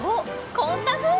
こんなふうに。